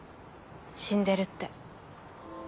死んでるって。